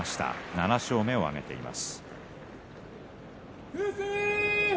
７勝目を挙げています。